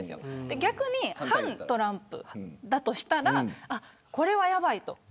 逆に反トランプだとしたらこれは、やばいと。